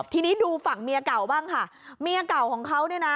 ทีนี้ดูฝั่งเมียเก่าบ้างค่ะเมียเก่าของเขาเนี่ยนะ